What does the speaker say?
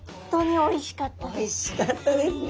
おいしかったですね。